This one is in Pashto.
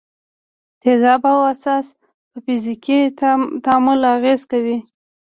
تیزاب او اساس په فزیکي تعامل اغېزه کوي.